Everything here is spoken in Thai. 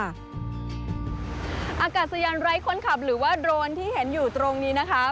อากาศยานไร้คนขับหรือว่าโดรนที่เห็นอยู่ตรงนี้นะคะ